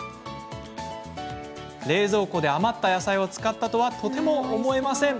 冷蔵庫で余った野菜を使ったとはとても思えません。